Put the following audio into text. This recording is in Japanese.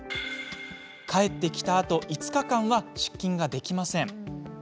帰ってきたあと５日間は出勤ができません。